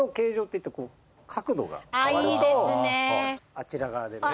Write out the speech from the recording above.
あちら側で。